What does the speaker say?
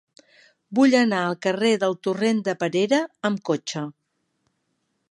Vull anar al carrer del Torrent de Perera amb cotxe.